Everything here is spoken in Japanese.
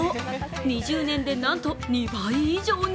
２０年でなんと２倍以上に。